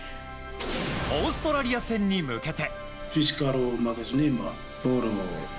オーストラリア戦に向けて。